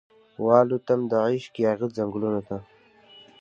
والوتم دعشق یاغې ځنګلونو ته